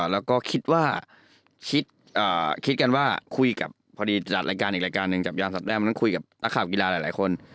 แล้วก็คิดว่าคุยกับพอดีจัดรายการอีกรายการหนึ่งจับยามสัตว์แม่มแล้วก็คุยกับราคาศกีฬาหลายคน